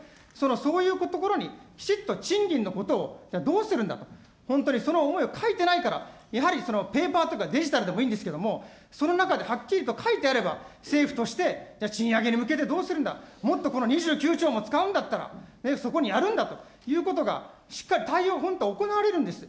そういうところにきちっと賃金のことをどうするんだと、本当に、その思いを書いてないから、やはりペーパーとかデジタルでもいいんですけど、その中ではっきりと書いてあれば、政府としてじゃあ、賃上げに向けてどうするんだ、もっとこの２９兆も使うんだったら、そこにやるんだということが、しっかり対応、本当に行われるんです。